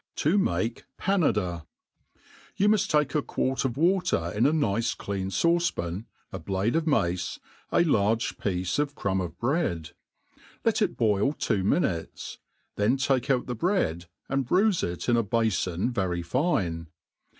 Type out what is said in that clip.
To mfike Panada. YOU muft take a quart of v^ater in a nice clean fauce pan^ a blade of mace, a large piece of crumb of bread ; let it boil two minutes ; then takeout the bread, and bruife it in a bafoa very fine.